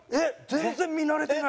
全然見慣れてない。